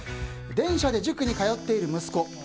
電車で塾に通っている息子。